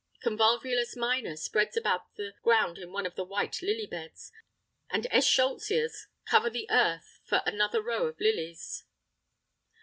Convolvulus minor spreads about the ground in one of the white lily beds; and eschscholtzias cover the earth for another row of lilies.